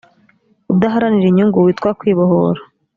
udaharanira inyungu witwa kwibohora